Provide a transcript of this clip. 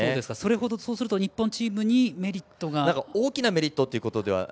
そうすると日本チームにメリットは。